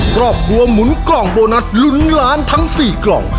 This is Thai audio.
ครอบครัวหมุนกล่องโบนัสลุ้นล้านทั้ง๔กล่อง